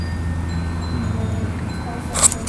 فِي غَضَبِك